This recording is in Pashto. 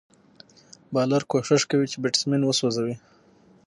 بالر کوښښ کوي، چي بېټسمېن وسوځوي.